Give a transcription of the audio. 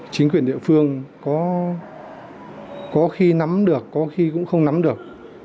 chính quyền địa phương có khi nắm được có khi cũng không nắm được